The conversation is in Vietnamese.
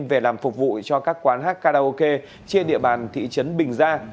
về làm phục vụ cho các quán hát karaoke trên địa bàn thị trấn bình gia